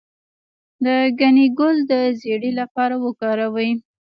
د ګنی ګل د زیړي لپاره وکاروئ